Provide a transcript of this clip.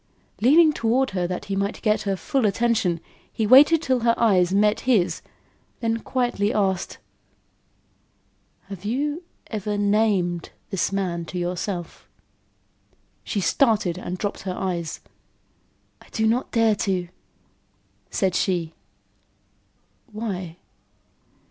Leaning toward her that he might get her full attention, he waited till her eyes met his, then quietly asked: "Have you ever named this man to yourself?" She started and dropped her eyes. "I do not dare to," said she. "Why?"